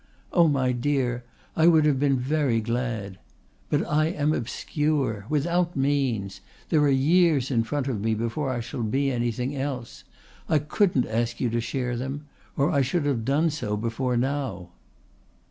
Oh, my dear, I would have been very glad. But I am obscure without means. There are years in front of me before I shall be anything else. I couldn't ask you to share them or I should have done so before now."